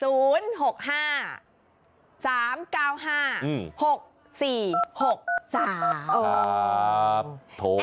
โอ้โฮ